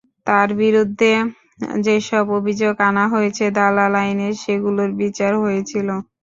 তাঁর বিরুদ্ধে যেসব অভিযোগ আনা হয়েছে, দালাল আইনে সেগুলোর বিচার হয়েছিল।